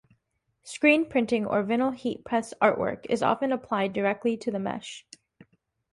Screen printing or vinyl heat press artwork is often applied directly to the mesh.